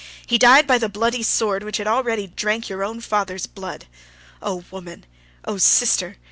He died by the bloody sword which already had drank your own father's blood. O woman, O sister!